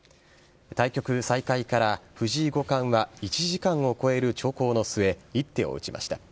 対局再開から藤井五冠は１時間を超える長考の末一手を打ちました。